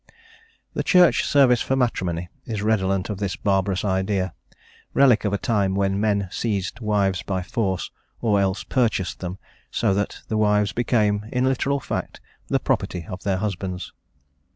The Church service for matrimony is redolent of this barbarous idea, relic of a time when men seized wives by force, or else purchased them, so that the wives became, in literal fact, the property of their husbands.